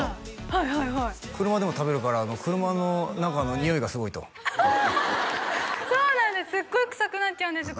はいはいはい車でも食べるから車の中のにおいがすごいとそうなんです